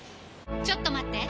ちょっと待って！